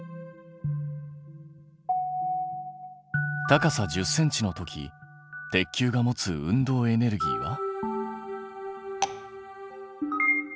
高さ１０ｃｍの時鉄球が持つ運動エネルギーは。